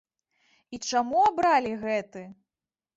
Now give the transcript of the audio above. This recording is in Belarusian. І чаму абралі гэты?